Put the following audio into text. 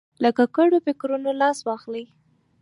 له ککړو فکرونو لاس واخلي.